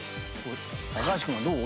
高橋君はどう？